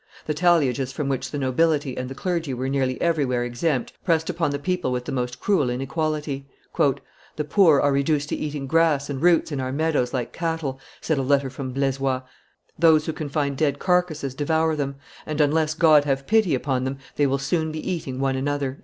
The talliages from which the nobility and the clergy were nearly everywhere exempt pressed upon the people with the most cruel inequality. "The poor are reduced to eating grass and roots in our meadows like cattle," said a letter from Blaisois those who can find dead carcasses devour them, and, unless God have pity upon them, they will soon be eating one another."